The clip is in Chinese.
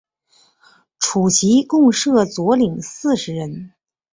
诸旗共设佐领四十人。